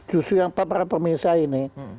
justru yang para pemirsa ini